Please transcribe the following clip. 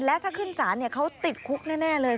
และถ้าขึ้นศาลเขาติดคุกแน่เลย